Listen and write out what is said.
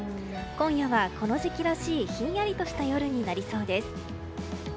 今夜はこの時期らしいひんやりとした夜になりそうです。